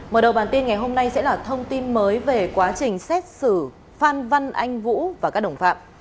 mở đầu bản tin ngày hôm nay sẽ là thông tin mới về quá trình xét xử phan văn anh vũ và các đồng phạm